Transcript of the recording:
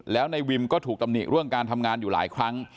แล้วในวิมก็ถูกตำหนิเรื่องการทำงานอยู่หลายครั้ง